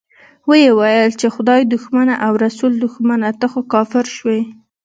ويې ويل چې خدای دښمنه او رسول دښمنه، ته خو کافر شوې.